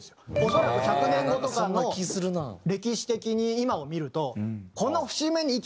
恐らく１００年後とかの歴史的に今を見ると。